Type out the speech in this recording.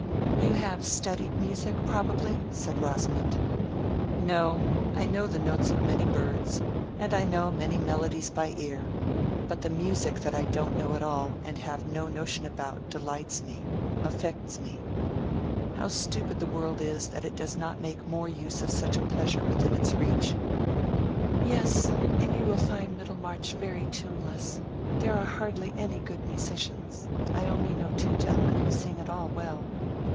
"You have studied music, probably?" said Rosamond. "No, I know the notes of many birds, and I know many melodies by ear; but the music that I don't know at all, and have no notion about, delights me—affects me. How stupid the world is that it does not make more use of such a pleasure within its reach!" "Yes, and you will find Middlemarch very tuneless. There are hardly any good musicians. I only know two gentlemen who sing at all well."